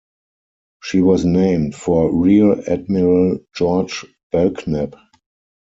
She was named for Rear Admiral George Belknap.